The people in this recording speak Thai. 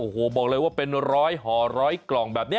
โอ้โหบอกเลยว่าเป็นร้อยห่อร้อยกล่องแบบนี้